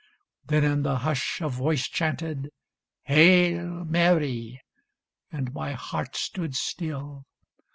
Then in the hush a voice Chanted " Hail, Mary "— and my heart stood still.